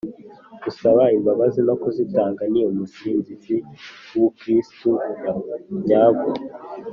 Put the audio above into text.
gusaba imbabazi no kuzitanga ni umusingi w’ubukristu nyabwo